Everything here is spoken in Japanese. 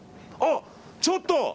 あ、ちょっと。